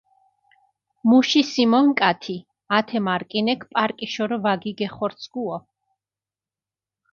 მუში სიმონკათი ათე მარკინექ პარკიშორო ვაქიგეხორცქუო.